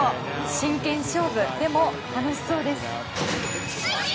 真剣勝負でも、楽しそうです。